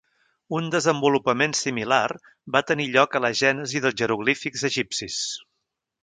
Un desenvolupament similar va tenir lloc a la gènesi dels jeroglífics egipcis.